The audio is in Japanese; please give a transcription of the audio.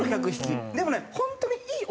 でもね。